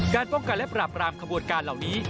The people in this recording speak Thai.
ป้องกันและปราบรามขบวนการเหล่านี้